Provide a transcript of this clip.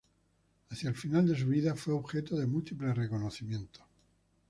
Hacia el final de su vida fue objeto de múltiples reconocimientos.